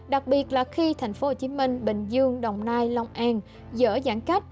đặc biệt là khi tp hcm bình dương đồng nai long an dở giãn cách